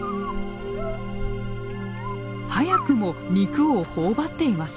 早くも肉をほおばっています。